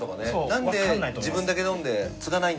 何で自分だけ飲んでつがないんだってね。